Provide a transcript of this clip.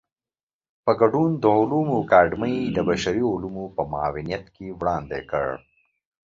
په ګډون د علومو اکاډمۍ د بشري علومو په معاونيت کې وړاندې کړ.